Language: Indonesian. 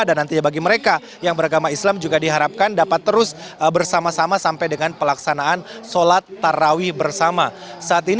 dan nantinya bagi mereka yang beragama islam juga diharapkan dapat terus bersama sama sampai dengan pelajaran